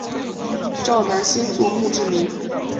赵南星作墓志铭。